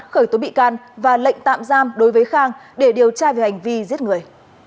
khởi tố bị can và lệnh tạm giam đối với khang để điều tra về hành vi giết người